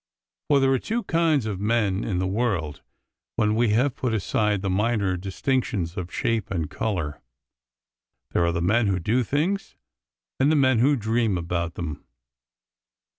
For there are two kinds of men in the world when we have put aside the minor distinctions of shape and colour. There are the men who do things and the men who dream about them.